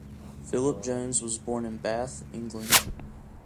Philip Jones was born in Bath, England.